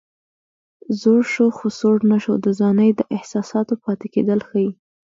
زوړ شو خو سوړ نه شو د ځوانۍ د احساساتو پاتې کېدل ښيي